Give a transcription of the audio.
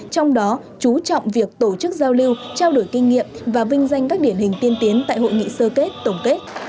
trong đó chú trọng việc tổ chức giao lưu trao đổi kinh nghiệm và vinh danh các điển hình tiên tiến tại hội nghị sơ kết tổng kết